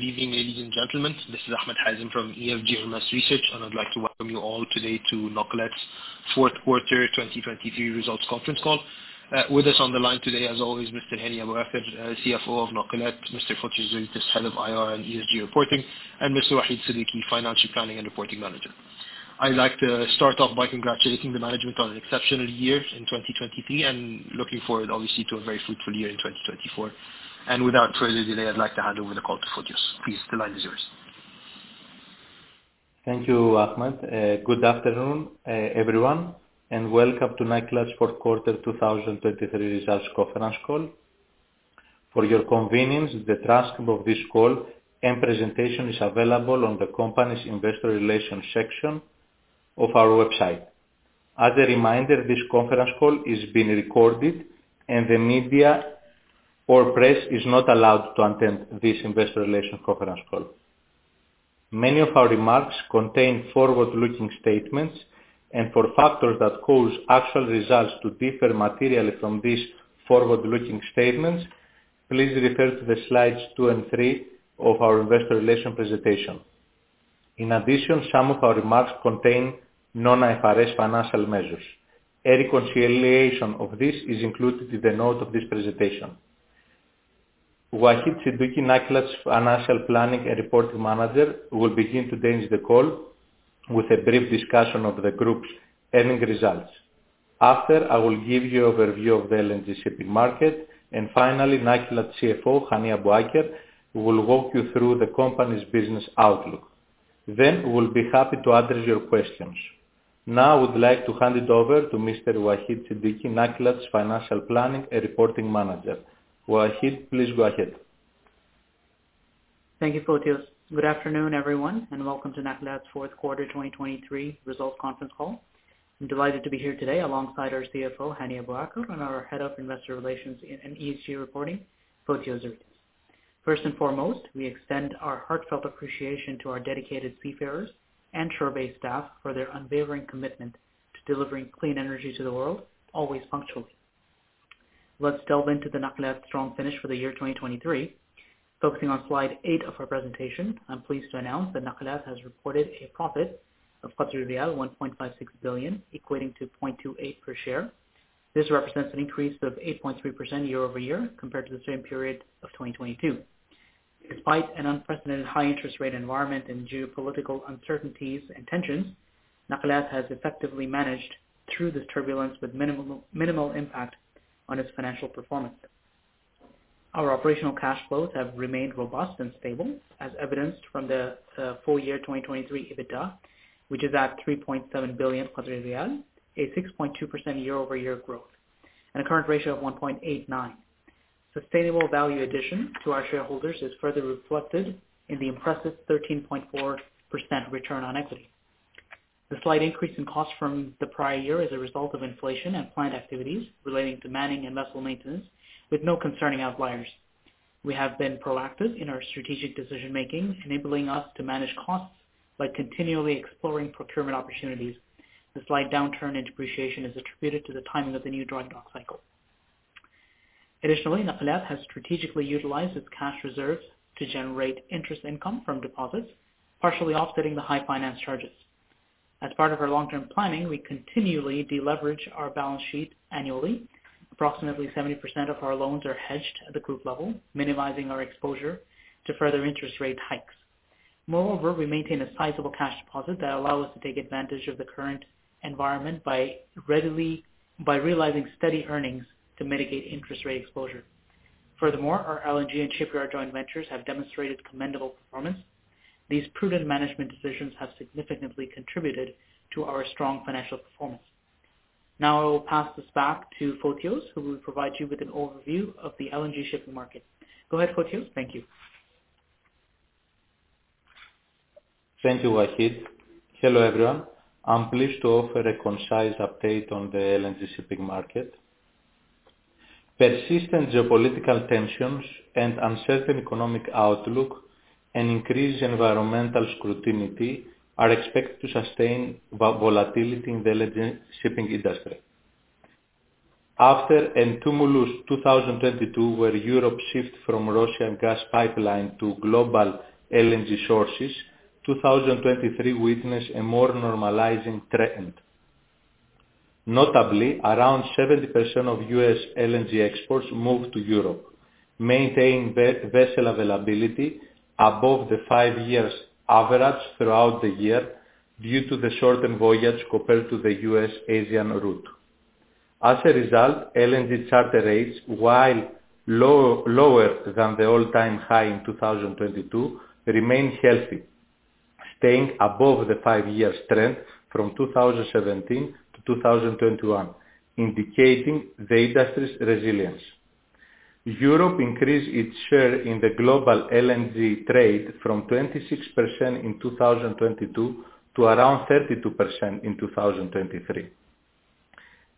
Good evening, ladies and gentlemen. This is Ahmed Hazem from EFG Hermes Research, and I'd like to welcome you all today to Nakilat's Q4 2023 Results Conference Call. With us on the line today, as always, Mr. Hani Abuaker, CFO of Nakilat, Mr. Fotios Zeritis, Head of IR and ESG Reporting, and Mr. Waheed Siddiqi, Financial Planning and Reporting Manager. I'd like to start off by congratulating the management on an exceptional year in 2023, and looking forward, obviously, to a very fruitful year in 2024. Without further delay, I'd like to hand over the call to Fotios. Please, the line is yours. Thank you, Ahmed. Good afternoon, everyone, and welcome to Nakilat's Q4 2023 Results Conference Call. For your convenience, the transcript of this call and presentation is available on the company's investor relations section of our website. As a reminder, this conference call is being recorded, and the media or press is not allowed to attend this investor relations conference call. Many of our remarks contain forward-looking statements, and for factors that cause actual results to differ materially from these forward-looking statements, please refer to the slides two and three of our investor relations presentation. In addition, some of our remarks contain non-IFRS financial measures. A reconciliation of this is included in the notes of this presentation. Waheed Siddiqi, Nakilat's Financial Planning and Reporting Manager, will begin today's call with a brief discussion of the group's earnings results. After, I will give you overview of the LNG shipping market, and finally, Nakilat CFO, Hani Abuaker, will walk you through the company's business outlook. Then, we'll be happy to address your questions. Now, I would like to hand it over to Mr. Waheed Siddiqi, Nakilat's Financial Planning and Reporting Manager. Waheed, please go ahead. Thank you, Fotios. Good afternoon, everyone, and welcome to Nakilat's Q4 2023 results conference call. I'm delighted to be here today alongside our CFO, Hani Abuaker, and our Head of Investor Relations and ESG Reporting, Fotios Zeritis. First and foremost, we extend our heartfelt appreciation to our dedicated seafarers and shore-based staff for their unwavering commitment to delivering clean energy to the world, always punctually. Let's delve into the Nakilat strong finish for the year 2023. Focusing on slide 8 of our presentation, I'm pleased to announce that Nakilat has reported a profit of riyal 1.56 billion, equating to 0.28 per share. This represents an increase of 8.3% year-over-year compared to the same period of 2022. Despite an unprecedented high interest rate environment and geopolitical uncertainties and tensions, Nakilat has effectively managed through this turbulence with minimal impact on its financial performance. Our operational cash flows have remained robust and stable, as evidenced from the full year 2023 EBITDA, which is at 3.7 billion, a 6.2% year-over-year growth and a current ratio of 1.89. Sustainable value addition to our shareholders is further reflected in the impressive 13.4% return on equity. The slight increase in costs from the prior year is a result of inflation and planned activities relating to manning and vessel maintenance, with no concerning outliers. We have been proactive in our strategic decision-making, enabling us to manage costs by continually exploring procurement opportunities. The slight downturn in depreciation is attributed to the timing of the new dry dock cycle. Additionally, Nakilat has strategically utilized its cash reserves to generate interest income from deposits, partially offsetting the high finance charges. As part of our long-term planning, we continually deleverage our balance sheet annually. Approximately 70% of our loans are hedged at the group level, minimizing our exposure to further interest rate hikes. Moreover, we maintain a sizable cash deposit that allow us to take advantage of the current environment by readily realizing steady earnings to mitigate interest rate exposure. Furthermore, our LNG and shipyard joint ventures have demonstrated commendable performance. These prudent management decisions have significantly contributed to our strong financial performance. Now, I will pass this back to Fotios, who will provide you with an overview of the LNG shipping market. Go ahead, Fotios. Thank you. Thank you, Waheed. Hello, everyone. I'm pleased to offer a concise update on the LNG shipping market. Persistent geopolitical tensions and uncertain economic outlook and increased environmental scrutiny are expected to sustain volatility in the LNG shipping industry. After a tumultuous 2022, where Europe shipped from Russian gas pipeline to global LNG sources, 2023 witnessed a more normalizing trend. Notably, around 70% of US LNG exports moved to Europe, maintaining vessel availability above the 5-year average throughout the year due to the shortened voyage compared to the US-Asian route. As a result, LNG charter rates, while low, lower than the all-time high in 2022, remain healthy, staying above the 5-year trend from 2017 to 2021, indicating the industry's resilience. Europe increased its share in the global LNG trade from 26% in 2022 to around 32% in 2023.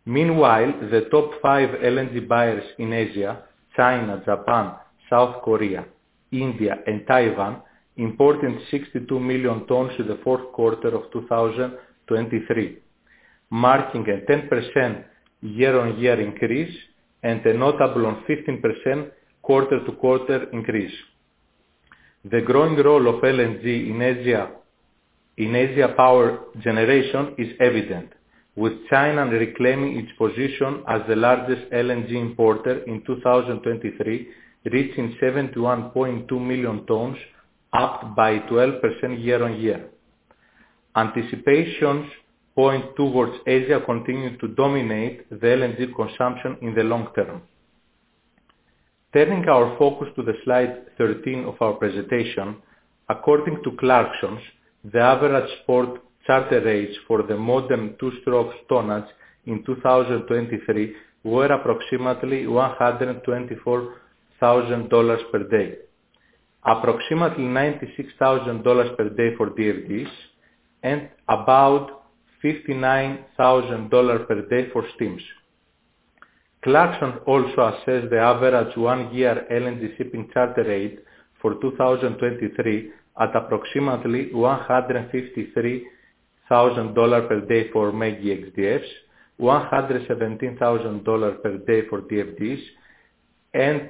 Meanwhile, the top five LNG buyers in Asia, China, Japan, South Korea, India, and Taiwan, imported 62 million tons in the Q4 of 2023, marking a 10% year-on-year increase and a notable 15% quarter-to-quarter increase. The growing role of LNG in Asia power generation is evident, with China reclaiming its position as the largest LNG importer in 2023, reaching 71.2 million tons, up by 12% year-on-year. Anticipations point towards Asia continuing to dominate the LNG consumption in the long term. Turning our focus to the slide 13 of our presentation, according to Clarksons, the average spot charter rates for the modern two-stroke tonnage in 2023 were approximately $124,000 per day, approximately $96,000 per day for DFDs, and about $59,000 per day for steams. Clarksons also assessed the average one-year LNG shipping charter rate for 2023 at approximately $153,000 per day for mega X-DFs, $117,000 per day for DFDs, and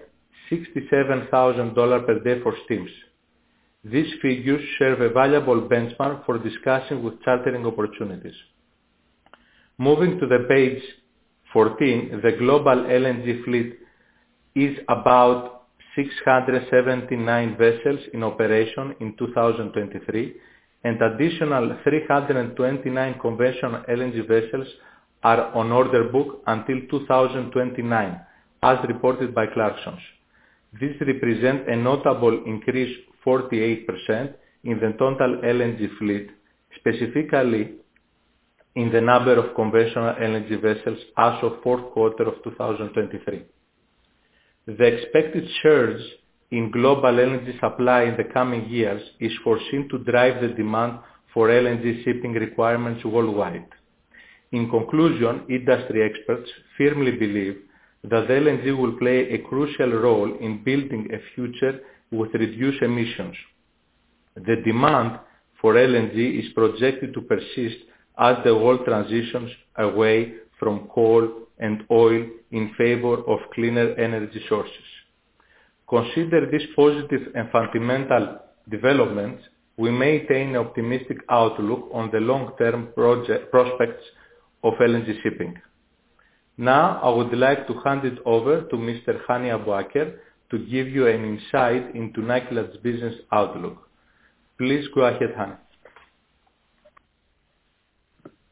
$67,000 per day for steams. These figures serve a valuable benchmark for discussing with chartering opportunities. Moving to page 14, the global LNG fleet is about 679 vessels in operation in 2023, and additional 329 conventional LNG vessels are on order book until 2029, as reported by Clarksons. This represents a notable increase, 48%, in the total LNG fleet, specifically in the number of conventional LNG vessels as of Q4 of 2023. The expected surge in global LNG supply in the coming years is foreseen to drive the demand for LNG shipping requirements worldwide. In conclusion, industry experts firmly believe that LNG will play a crucial role in building a future with reduced emissions. The demand for LNG is projected to persist as the world transitions away from coal and oil in favor of cleaner energy sources. Consider these positive and fundamental developments. We maintain an optimistic outlook on the long-term prospects of LNG shipping. Now, I would like to hand it over to Mr. Hani Abuaker, to give you an insight into Nakilat's business outlook. Please go ahead, Hani.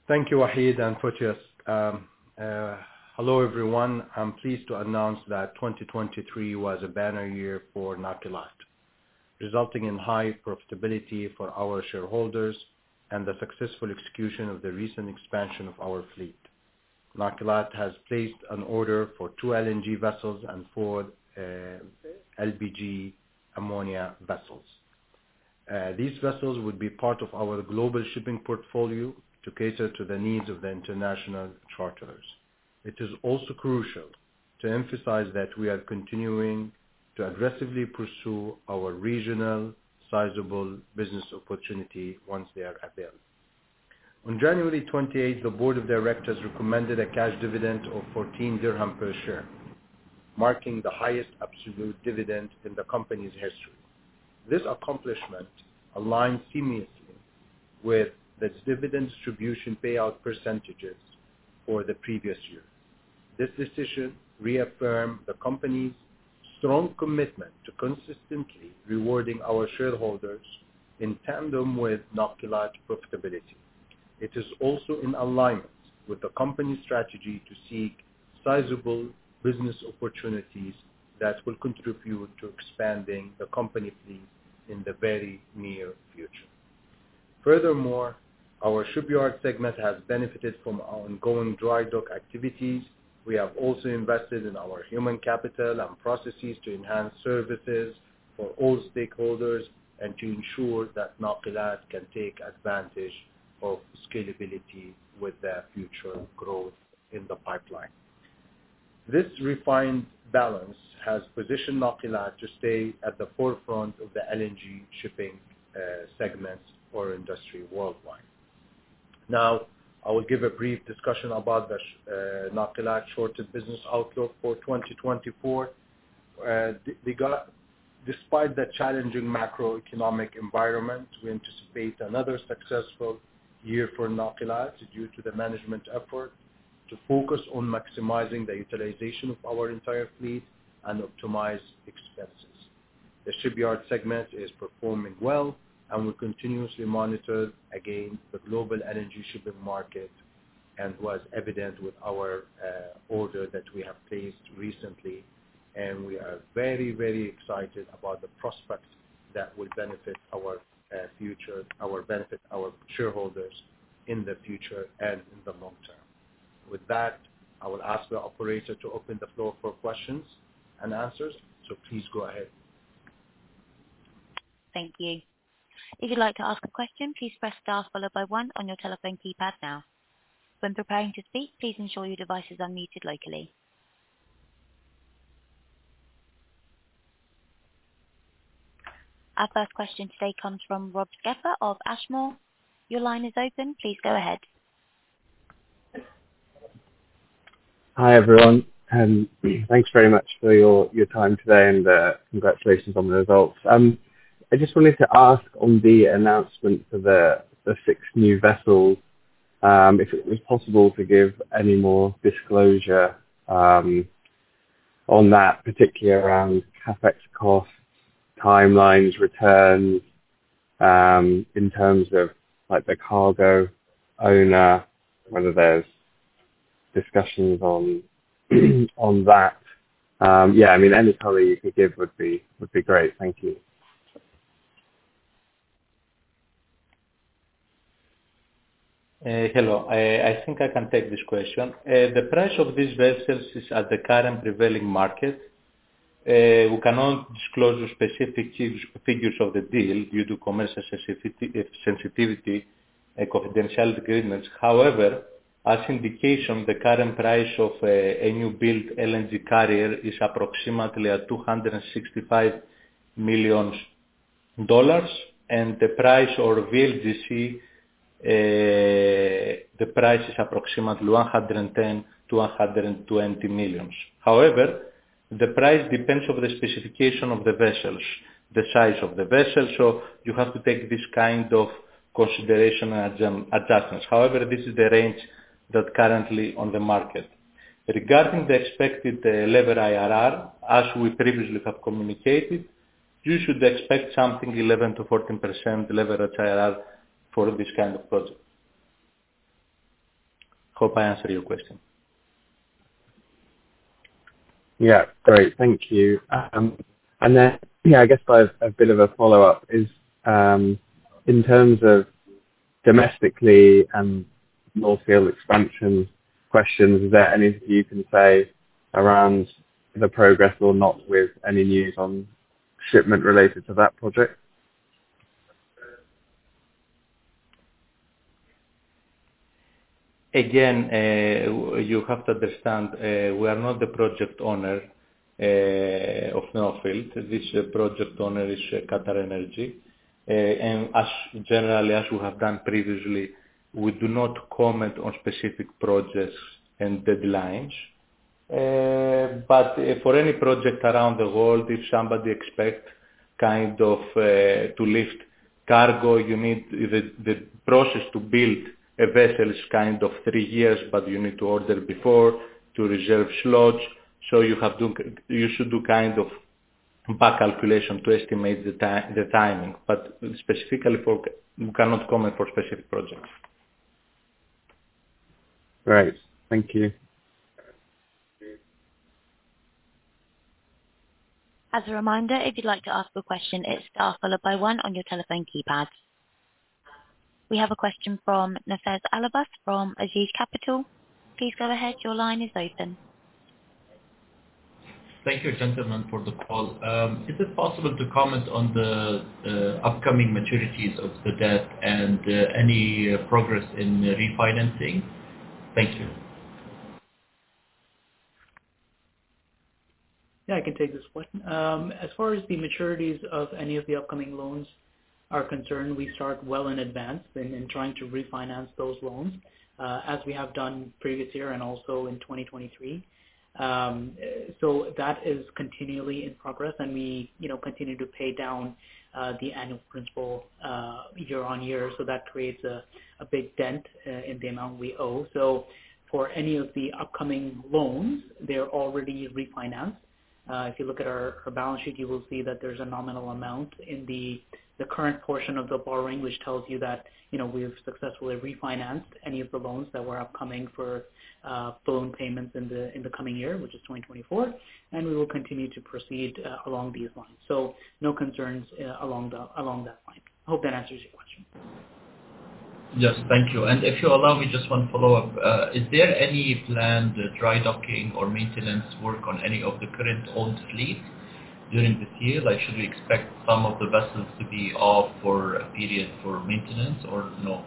Thank you, Waheed and Fotios. Hello, everyone. I'm pleased to announce that 2023 was a banner year for Nakilat, resulting in high profitability for our shareholders and the successful execution of the recent expansion of our fleet. Nakilat has placed an order for 2 LNG vessels and 4 LPG ammonia vessels. These vessels would be part of our global shipping portfolio to cater to the needs of the international charters. It is also crucial to emphasize that we are continuing to aggressively pursue our regional sizable business opportunity once they are available. On January 28, the Board of Directors recommended a cash dividend of QAR 14 per share, marking the highest absolute dividend in the company's history. This accomplishment aligns seamlessly with the dividend distribution payout percentages for the previous year. This decision reaffirms the company's strong commitment to consistently rewarding our shareholders in tandem with Nakilat's profitability. It is also in alignment with the company's strategy to seek sizable business opportunities that will contribute to expanding the company fleet in the very near future. Furthermore, our shipyard segment has benefited from our ongoing dry dock activities. We have also invested in our human capital and processes to enhance services for all stakeholders and to ensure that Nakilat can take advantage of scalability with their future growth in the pipeline. This refined balance has positioned Nakilat to stay at the forefront of the LNG shipping, segments for industry worldwide. Now, I will give a brief discussion about the Nakilat shortest business outlook for 2024. Despite the challenging macroeconomic environment, we anticipate another successful year for Nakilat, due to the management effort to focus on maximizing the utilization of our entire fleet and optimize expenses. The shipyard segment is performing well, and we continuously monitor, again, the global energy shipping market and was evident with our order that we have placed recently. And we are very, very excited about the prospects that will benefit our future, our benefit, our shareholders in the future and in the long term. With that, I will ask the operator to open the floor for questions and answers, so please go ahead. Thank you. If you'd like to ask a question, please press star followed by one on your telephone keypad now. When preparing to speak, please ensure your device is unmuted locally... Our first question today comes from Rob Skepper of Ashmore. Your line is open. Please go ahead. Hi, everyone, and thanks very much for your, your time today, and, congratulations on the results. I just wanted to ask on the announcement for the, the six new vessels, if it was possible to give any more disclosure, on that, particularly around CapEx costs, timelines, returns, in terms of, like, the cargo owner, whether there's discussions on, on that? Yeah, I mean, any color you could give would be, would be great. Thank you. Hello. I think I can take this question. The price of these vessels is at the current prevailing market. We cannot disclose the specific figures of the deal due to commercial sensitivity and confidentiality agreements. However, as indication, the current price of a new build LNG carrier is approximately at $265 million, and the price of VLGC is approximately $110 to 120 million. However, the price depends on the specification of the vessels, the size of the vessels, so you have to take this kind of consideration and adjustments. However, this is the range that currently on the market. Regarding the expected lever IRR, as we previously have communicated, you should expect something 11% to 14% leverage IRR for this kind of project. I hope I answered your question. Yeah, great. Thank you. And then, yeah, I guess by a bit of a follow-up is, in terms of domestic and North Field expansion questions, is there anything you can say around the progress or not with any news on shipment related to that project? Again, you have to understand, we are not the project owner of North Field. This project owner is QatarEnergy, and as generally, as we have done previously, we do not comment on specific projects and deadlines. But for any project around the world, if somebody expect kind of to lift cargo, you need the process to build a vessel is kind of three years, but you need to order before to reserve slots. So you have to... You should do kind of back calculation to estimate the timing, but specifically for, we cannot comment for specific projects. Great. Thank you. As a reminder, if you'd like to ask a question, it's star followed by one on your telephone keypad. We have a question from Nafeez Al-Abba from Ajeej Capital. Please go ahead. Your line is open. Thank you, gentlemen, for the call. Is it possible to comment on the upcoming maturities of the debt and any progress in refinancing? Thank you. Yeah, I can take this question. As far as the maturities of any of the upcoming loans are concerned, we start well in advance in trying to refinance those loans, as we have done previous year and also in 2023. So that is continually in progress, and we, you know, continue to pay down the annual principal year on year, so that creates a big dent in the amount we owe. So for any of the upcoming loans, they're already refinanced. If you look at our balance sheet, you will see that there's a nominal amount in the current portion of the borrowing, which tells you that, you know, we have successfully refinanced any of the loans that were upcoming for full loan payments in the coming year, which is 2024, and we will continue to proceed along these lines. So no concerns along that line. Hope that answers your question. Yes. Thank you. If you allow me, just one follow-up. Is there any planned dry docking or maintenance work on any of the current owned fleet during this year? Like, should we expect some of the vessels to be off for a period for maintenance or no?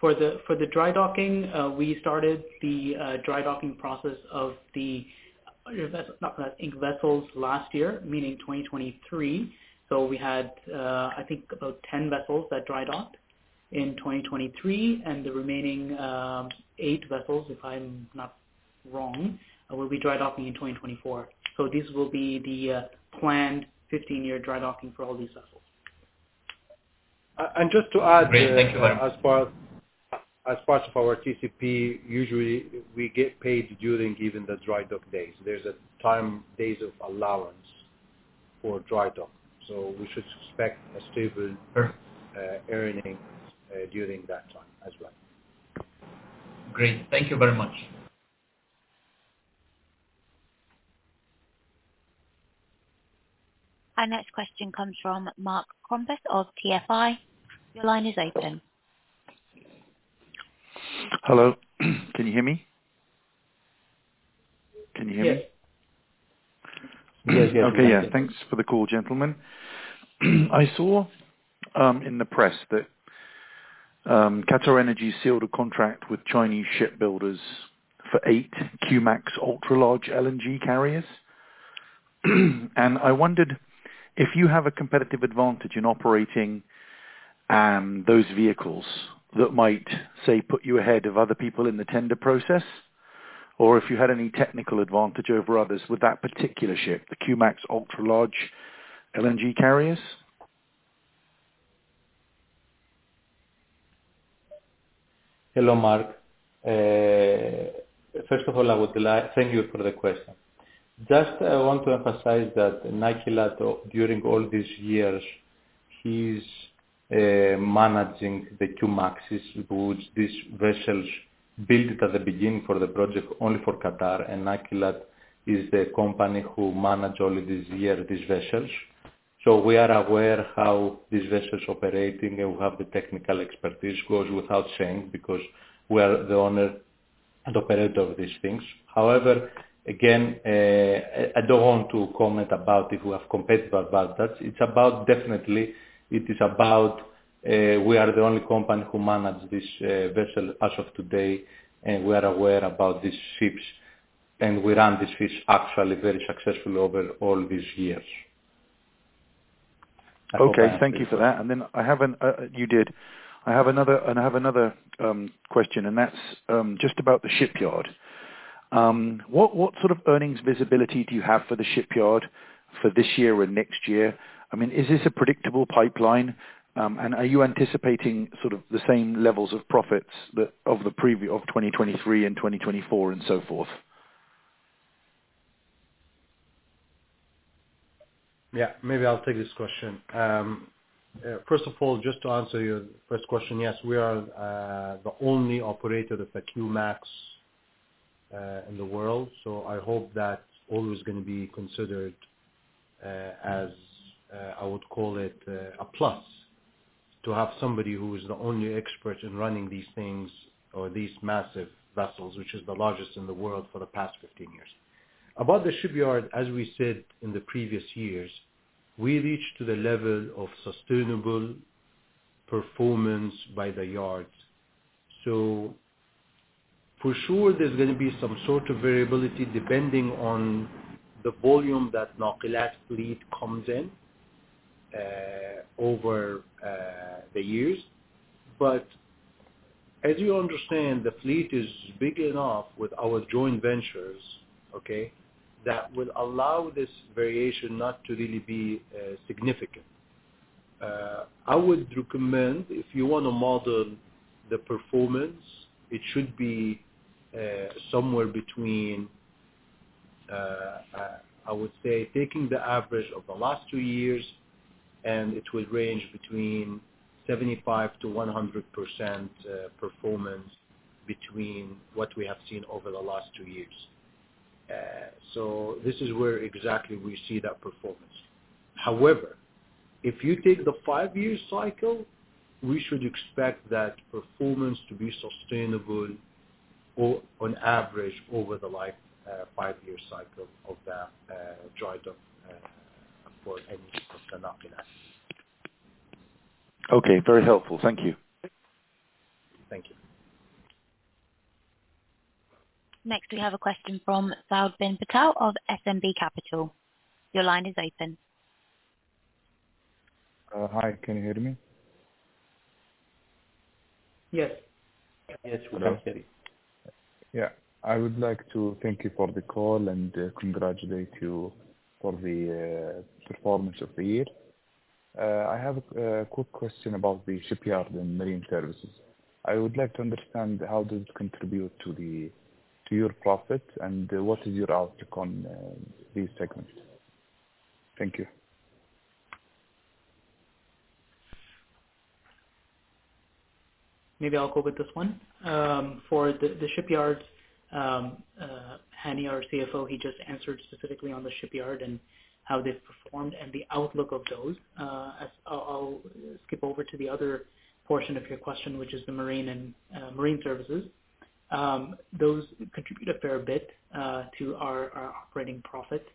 For the dry docking, we started the dry docking process of the vessels last year, meaning 2023. So we had, I think about 10 vessels that dry docked in 2023, and the remaining 8 vessels, if I'm not wrong, will be dry docking in 2024. So this will be the planned 15-year dry docking for all these vessels. and just to add- Great. Thank you very much. As far as, as part of our TCP, usually we get paid during even the dry dock days. There's a time, days of allowance for dry dock, so we should expect a stable, earning, during that time as well. Great. Thank you very much. Our next question comes from Mark Crompton of PFI. Your line is open. Hello. Can you hear me? Can you hear me? Yes. Yes, yes. Okay, yeah. Thanks for the call, gentlemen. I saw in the press that QatarEnergy sealed a contract with Chinese shipbuilders for 8 Q-Max ultra large LNG carriers. I wondered if you have a competitive advantage in operating those vehicles that might, say, put you ahead of other people in the tender process, or if you had any technical advantage over others with that particular ship, the Q-Max ultra large LNG carriers? Hello, Mark. First of all, I would like thank you for the question. Just I want to emphasize that Nakilat, during all these years, he's managing the Q-Maxes, which these vessels built at the beginning for the project only for Qatar, and Nakilat is the company who manage all of these years, these vessels. So we are aware how these vessels operating, and we have the technical expertise. Goes without saying, because we are the owner and operator of these things. However, again, I don't want to comment about if we have competitive advantage. It's about definitely, it is about we are the only company who manage this vessel as of today, and we are aware about these ships, and we run these ships actually very successful over all these years. Okay. Thank you for that. And then I have another question, and that's just about the shipyard. What sort of earnings visibility do you have for the shipyard for this year and next year? I mean, is this a predictable pipeline? And are you anticipating sort of the same levels of profits that of the previous 2023 and 2024, and so forth? Yeah, maybe I'll take this question. First of all, just to answer your first question, yes, we are the only operator of the Q-Max in the world. So I hope that always gonna be considered as I would call it a plus, to have somebody who is the only expert in running these things or these massive vessels, which is the largest in the world for the past 15 years. About the shipyard, as we said in the previous years, we reached to the level of sustainable performance by the yard. So for sure, there's gonna be some sort of variability depending on the volume that Nakilat fleet comes in over the years. But as you understand, the fleet is big enough with our joint ventures, okay? That would allow this variation not to really be significant. I would recommend, if you want to model the performance, it should be, somewhere between, I would say, taking the average of the last two years, and it will range between 75% to 100% performance between what we have seen over the last two years. So this is where exactly we see that performance. However, if you take the five-year cycle, we should expect that performance to be sustainable or on average, over the life, five-year cycle of that, drydock, for any of the Nakilat. Okay, very helpful. Thank you. Thank you. Next, we have a question from Saud Bin Patel of SNB Capital. Your line is open. Hi, can you hear me? Yes. Yes, we can hear you. Yeah. I would like to thank you for the call and congratulate you for the performance of the year. I have a quick question about the shipyard and marine services. I would like to understand how does it contribute to your profit, and what is your outlook on these segments? Thank you. Maybe I'll go with this one. For the shipyard, Hani, our CFO, he just answered specifically on the shipyard and how they've performed and the outlook of those. I'll skip over to the other portion of your question, which is the marine and marine services. Those contribute a fair bit to our operating profit.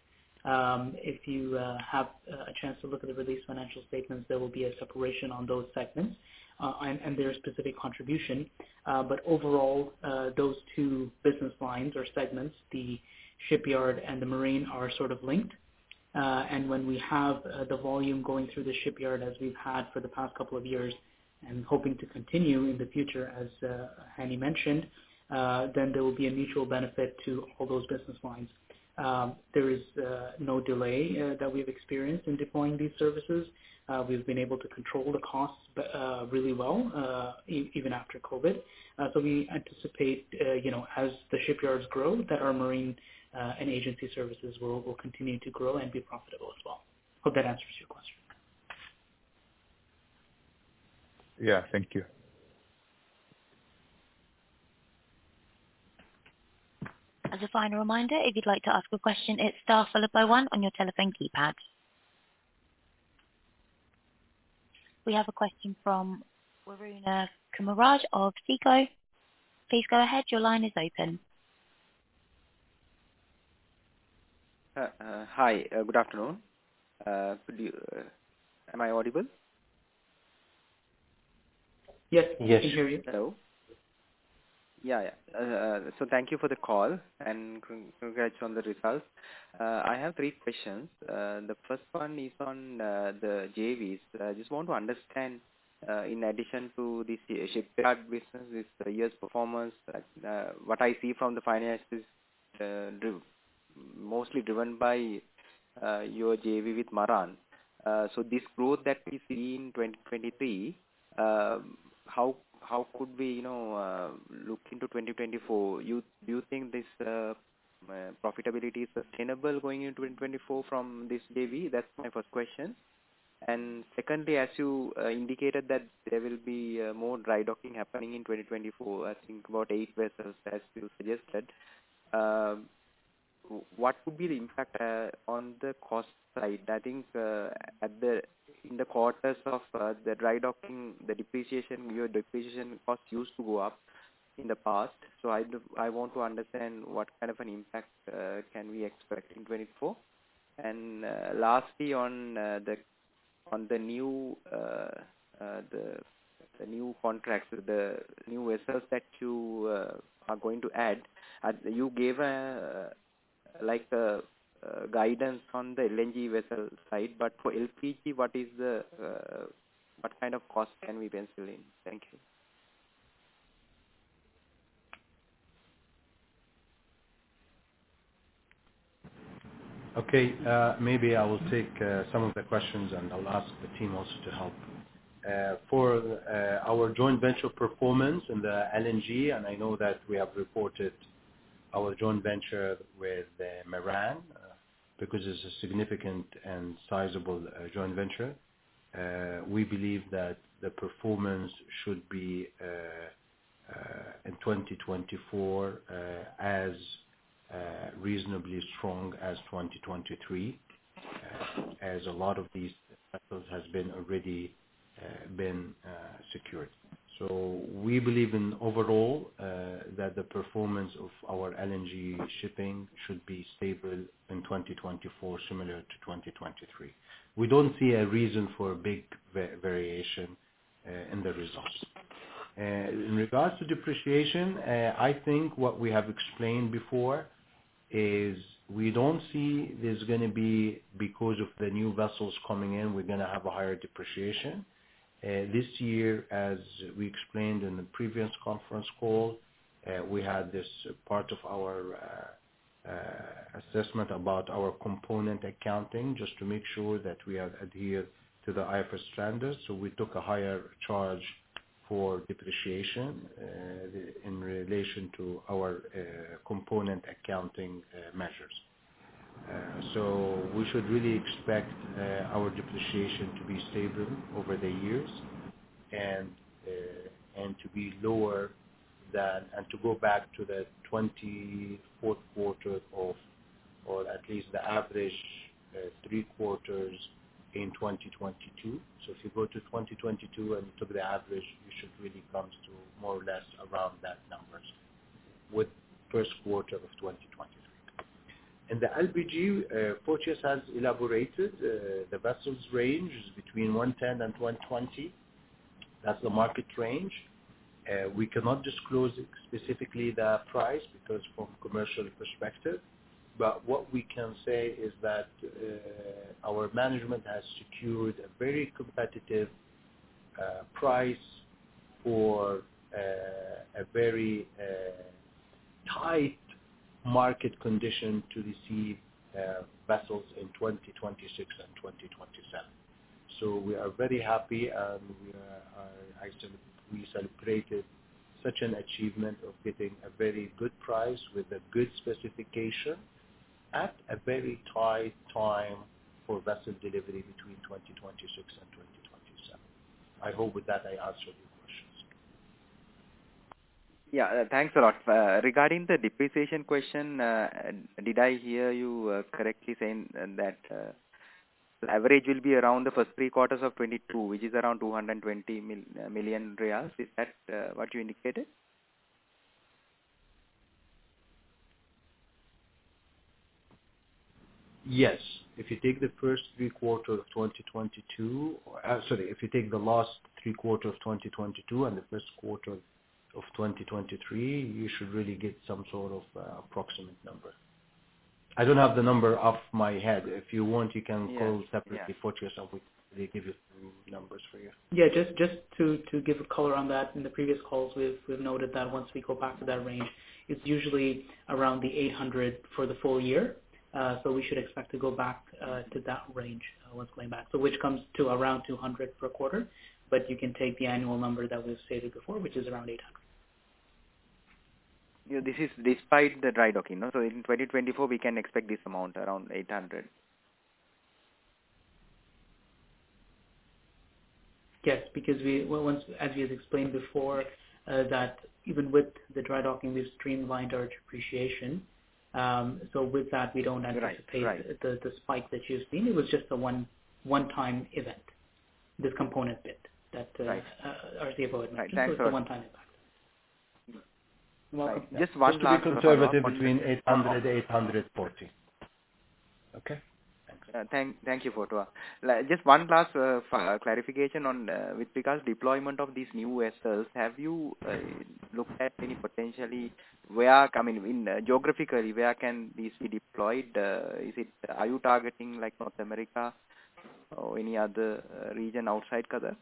If you have a chance to look at the released financial statements, there will be a separation on those segments and their specific contribution. But overall, those two business lines or segments, the shipyard and the marine, are sort of linked. And when we have the volume going through the shipyard, as we've had for the past couple of years, and hoping to continue in the future, as Hani mentioned, then there will be a mutual benefit to all those business lines. There is no delay that we've experienced in deploying these services. We've been able to control the costs, but really well, even after COVID. So we anticipate, you know, as the shipyards grow, that our marine and agency services will continue to grow and be profitable as well. Hope that answers your question. Yeah, thank you. As a final reminder, if you'd like to ask a question, it's star followed by one on your telephone keypad. We have a question from Varuna Kumarage of Seaco. Please go ahead. Your line is open. ... hi, good afternoon. Could you... Am I audible? Yes. Yes. We can hear you. Hello? Yeah, yeah. So thank you for the call, and congrats on the results. I have three questions. The first one is on the JVs. Just want to understand, in addition to this ship business, this year's performance, what I see from the finances, mostly driven by your JV with Maran. So this growth that we see in 2023, how could we, you know, look into 2024? Do you think this profitability is sustainable going into 2024 from this JV? That's my first question. And secondly, as you indicated, that there will be more dry docking happening in 2024, I think about 8 vessels, as you suggested. What could be the impact on the cost side? I think in the quarters of the dry docking, the depreciation, your depreciation cost used to go up in the past. So I want to understand what kind of an impact can we expect in 2024. And lastly, on the new contracts, the new vessels that you are going to add, you gave like a guidance on the LNG vessel side, but for LPG, what kind of cost can we pencil in? Thank you. Okay. Maybe I will take some of the questions, and I'll ask the team also to help. For our joint venture performance in the LNG, and I know that we have reported our joint venture with Maran, because it's a significant and sizable joint venture. We believe that the performance should be in 2024 as reasonably strong as 2023, as a lot of these vessels has been already secured. So we believe in overall that the performance of our LNG shipping should be stable in 2024, similar to 2023. We don't see a reason for a big variation in the results. In regards to depreciation, I think what we have explained before is we don't see there's gonna be... because of the new vessels coming in, we're gonna have a higher depreciation. This year, as we explained in the previous conference call, we had this part of our assessment about our component accounting, just to make sure that we are adhered to the IFRS standards. So we took a higher charge for depreciation, in relation to our component accounting measures. So we should really expect our depreciation to be stable over the years and to be lower than... and to go back to the Q4 of 2024, or at least the average three quarters in 2022. So if you go to 2022 and you took the average, you should really comes to more or less around that numbers, with Q1 of 2023. And the LPG, Fotios has elaborated, the vessels range is between 110 and 120. That's the market range. We cannot disclose specifically the price, because from commercial perspective. But what we can say is that, our management has secured a very competitive, price for, a very, tight market condition to receive, vessels in 2026 and 2027. So we are very happy, and we are, we celebrated such an achievement of getting a very good price with a good specification at a very tight time for vessel delivery between 2026 and 2027. I hope with that I answered your questions. Yeah, thanks a lot. Regarding the depreciation question, did I hear you correctly saying that the average will be around the first 3/4 of 2022, which is around 220 million riyals? Is that what you indicated? Yes. If you take the first three quarters of 2022, sorry, if you take the last three quarters of 2022 and the Q1 of 2023, you should really get some sort of approximate number. I don't have the number off my head. If you want, you can call separately for yourself, we, they give you numbers for you. Yeah, just to give a color on that, in the previous calls, we've noted that once we go back to that range, it's usually around the $800 for the full year. So we should expect to go back to that range once going back. So which comes to around $200 per quarter, but you can take the annual number that we've stated before, which is around $800. Yeah, this is despite the dry docking, no? So in 2024, we can expect this amount, around 800. Yes, because we... Well, once, as we had explained before, that even with the dry docking, we've streamlined our depreciation. So with that, we don't anticipate the spike that you've seen. It was just a one-time event, this component bit that Right. Our CEO mentioned. Right. Thanks for- It was a one-time event. … Just one last- Just to be conservative, between 800 to 840. Okay? Thank you, Fotios. Just one last clarification on with regards deployment of these new vessels. Have you looked at any potentially where, I mean, in geographically, where can these be deployed? Is it, are you targeting like North America or any other region outside Qatar?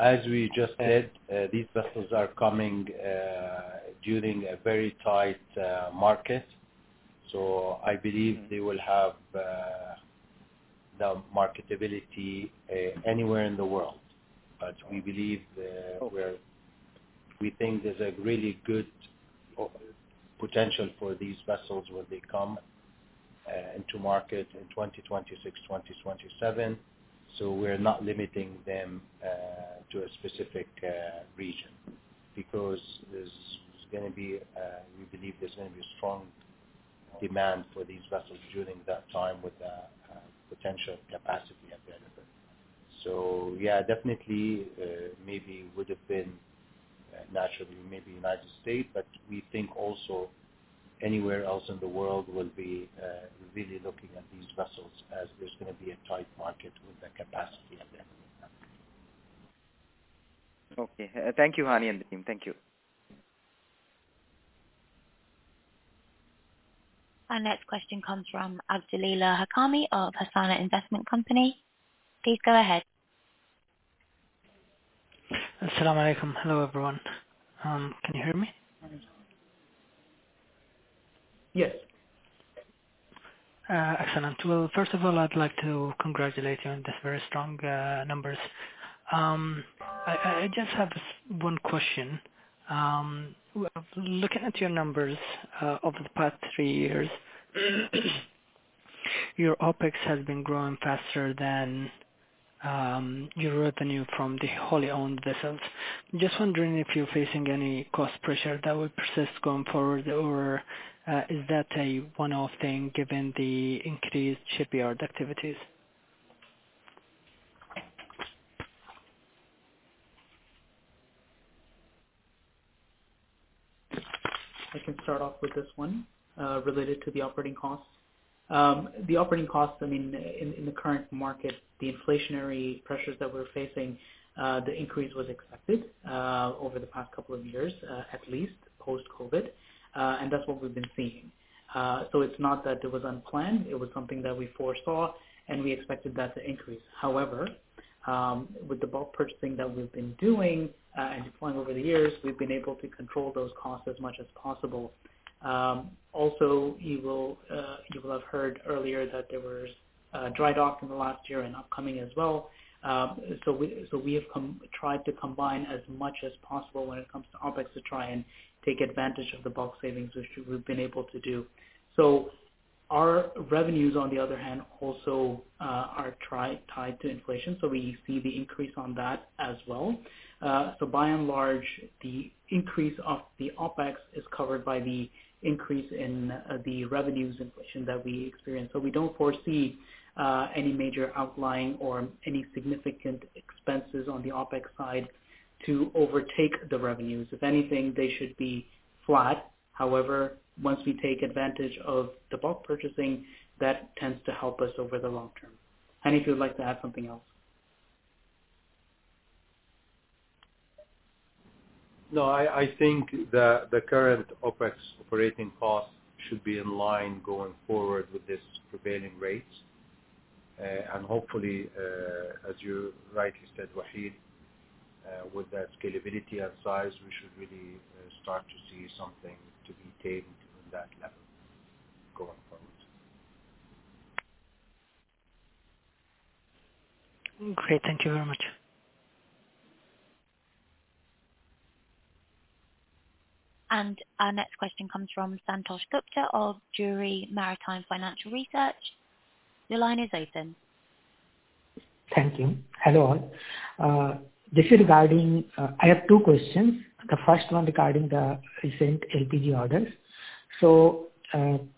As we just said, these vessels are coming during a very tight market, so I believe they will have the marketability anywhere in the world. But we believe, We think there's a really good potential for these vessels when they come into market in 2026, 2027. So we're not limiting them to a specific region. Because there's gonna be, we believe there's gonna be a strong demand for these vessels during that time, with the potential capacity at the end of it. So yeah, definitely, maybe would have been naturally, maybe United States, but we think also anywhere else in the world will be really looking at these vessels as there's gonna be a tight market with the capacity at the end. Okay. Thank you, Hani, and the team. Thank you. Our next question comes from Abdullela Alhakami of Hassana Investment Company. Please go ahead. Asalam alaikum. Hello, everyone. Can you hear me? Yes. Excellent. Well, first of all, I'd like to congratulate you on the very strong numbers. I just have one question. Looking at your numbers over the past three years, your OpEx has been growing faster than your revenue from the wholly owned vessels. Just wondering if you're facing any cost pressure that will persist going forward, or is that a one-off thing, given the increased shipyard activities? I can start off with this one, related to the operating costs. The operating costs, I mean, in the current market, the inflationary pressures that we're facing, the increase was expected, over the past couple of years, at least post-COVID, and that's what we've been seeing. So it's not that it was unplanned. It was something that we foresaw, and we expected that to increase. However, with the bulk purchasing that we've been doing, and deploying over the years, we've been able to control those costs as much as possible. Also, you will have heard earlier that there were dry dock in the last year and upcoming as well. So we have tried to combine as much as possible when it comes to OpEx, to try and take advantage of the bulk savings, which we've been able to do. So our revenues, on the other hand, also are tied to inflation, so we see the increase on that as well. So by and large, the increase of the OpEx is covered by the increase in the revenues inflation that we experience. So we don't foresee any major outlying or any significant expenses on the OpEx side to overtake the revenues. If anything, they should be flat. However, once we take advantage of the bulk purchasing, that tends to help us over the long term. Hani, if you would like to add something else? No, I think the current OpEx operating costs should be in line going forward with this prevailing rates. And hopefully, as you rightly said, Waheed, with that scalability and size, we should really start to see something to be taken to that level going forward. Great. Thank you very much. Our next question comes from Santosh Gupta of Drewry Maritime Financial Research. Your line is open. Thank you. Hello all. This is regarding. I have two questions. The first one regarding the recent LPG orders. So, with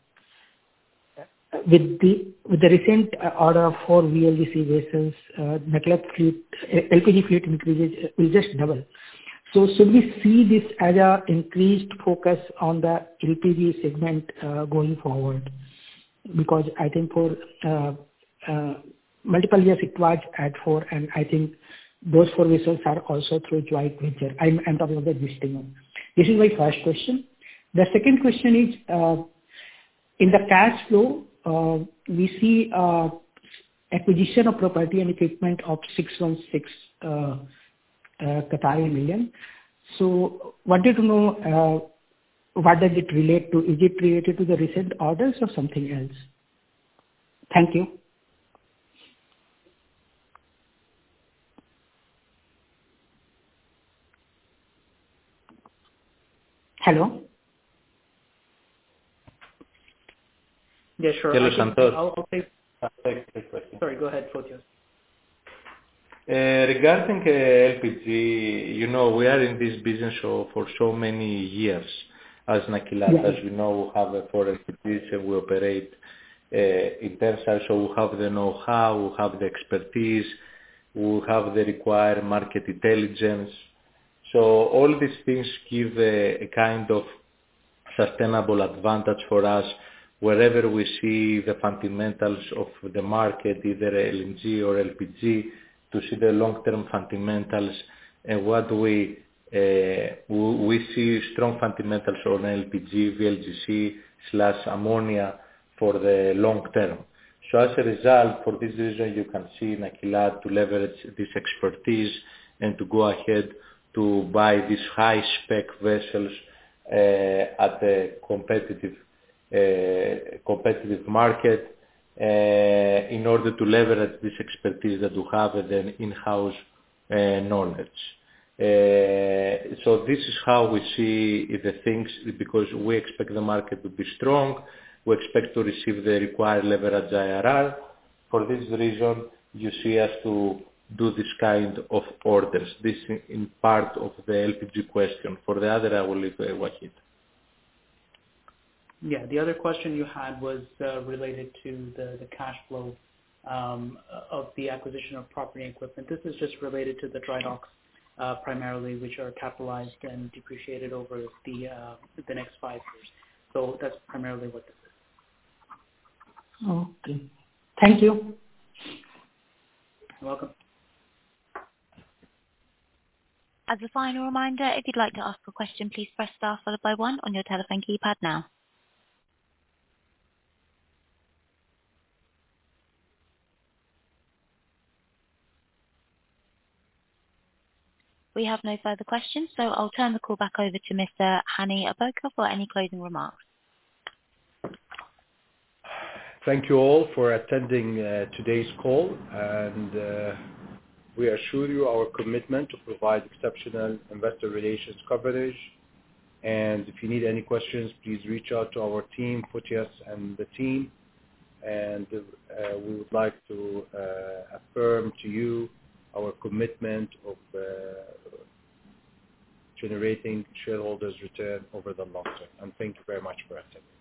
the, with the recent order for VLGC vessels, Nakilat fleet, LPG fleet increases, is just double. So should we see this as a increased focus on the LPG segment, going forward? Because I think for, multiple years, it was at 4, and I think those 4 vessels are also through joint venture. I'm talking about this thing. This is my first question. The second question is, in the cash flow, we see, acquisition of property and equipment of 606 million. So wanted to know, what does it relate to? Is it related to the recent orders or something else? Thank you. Hello? Yeah, sure. Hello, Santosh. I'll take the question. Sorry, go ahead, Fotios. Regarding LPG, you know, we are in this business for so many years as Nakilat, as we know, we have the foreign expertise, and we operate in terms of so we have the know-how, we have the expertise, we have the required market intelligence. So all these things give a kind of sustainable advantage for us wherever we see the fundamentals of the market, either LNG or LPG, to see the long-term fundamentals and what we see strong fundamentals on LPG, VLGC slash ammonia for the long term. So as a result, for this reason, you can see Nakilat to leverage this expertise and to go ahead to buy these high-spec vessels at a competitive market in order to leverage this expertise that we have and then in-house knowledge. So this is how we see the things, because we expect the market to be strong. We expect to receive the required leveraged IRR. For this reason, you see us do this kind of orders. This is part of the LPG question. For the other, I will leave it to Waheed. Yeah, the other question you had was related to the cash flow of the acquisition of property and equipment. This is just related to the dry docks primarily, which are capitalized and depreciated over the next five years. So that's primarily what this is. Okay. Thank you. You're welcome. As a final reminder, if you'd like to ask a question, please press star followed by one on your telephone keypad now. We have no further questions, so I'll turn the call back over to Mr. Hani Abuaker for any closing remarks. Thank you all for attending today's call, and we assure you our commitment to provide exceptional investor relations coverage. If you need any questions, please reach out to our team, Fotios and the team. We would like to affirm to you our commitment of generating shareholders' return over the long term. Thank you very much for attending.